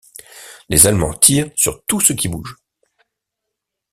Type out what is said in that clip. Les allemands tirent sur tout ce qui bouge.